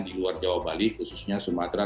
di luar jawa bali khususnya sumatera